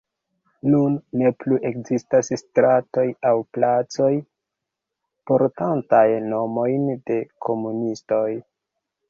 Nun ne plu ekzistas stratoj aŭ placoj portantaj nomojn de komunistoj.